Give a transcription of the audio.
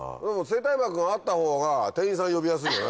声帯膜があった方が店員さんは呼びやすいよね。